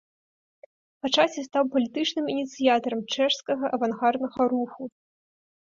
Па часе стаў палітычным ініцыятарам чэшскага авангарднага руху.